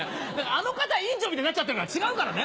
あの方委員長みたいになっちゃってるから違うからね。